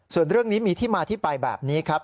ส่วนเรื่องนี้มีที่มาที่ไปแบบนี้ครับ